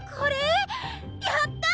やった！